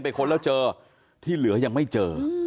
ค้นแล้วเจอที่เหลือยังไม่เจอ